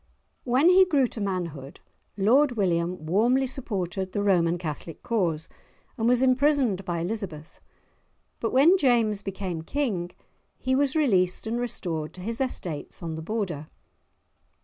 When he grew to manhood, Lord William warmly supported the Roman Catholic cause and was imprisoned by Elizabeth; but when James became King, he was released and restored to his estates on the Border.